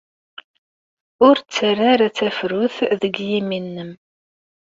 Ur ttarra ara tafrut deg yimi-nnem.